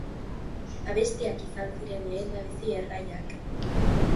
Abestiak izan ziren lehendabizi erraiak.